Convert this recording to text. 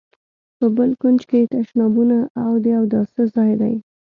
په بل کونج کې یې تشنابونه او د اوداسه ځای دی.